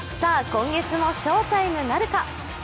今月も翔タイムなるか！？